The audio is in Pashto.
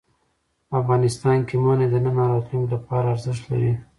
افغانستان کې منی د نن او راتلونکي لپاره ارزښت لري.